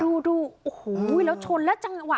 เนี่ยดูโอ้โหแล้วชนแล้วจังหว่า